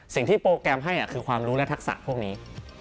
สิ่งที่โปรแกรมให้คือความรู้และทักษะพวกนี้